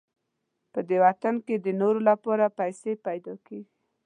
په دې وطن کې د نورو لپاره پیسې پیدا کېږي.